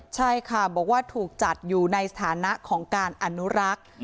ใช่ค่ะบอกว่าถูกจัดอยู่ในสถานะของการอนุรักษ์